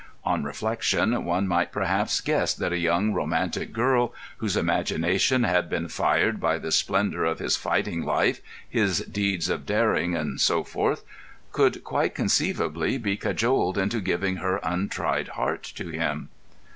On reflection one might perhaps guess that a young romantic girl, whose imagination had been fired by the splendour of his fighting life, his deeds of daring, and so forth, could quite conceivably be cajoled into giving her untried heart to him.